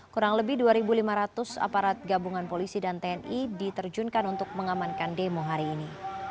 kurang lebih dua lima ratus aparat gabungan polisi dan tni diterjunkan untuk mengamankan demo hari ini